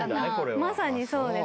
まさにそうです。